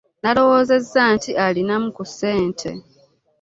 Nalowoozezza nti alinamu ku ssente.